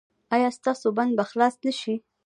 ایا ستاسو بند به خلاص نه شي؟